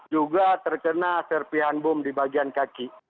juga terkena servian boom di bagian kaki